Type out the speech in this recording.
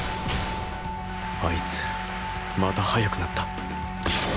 あいつまた速くなった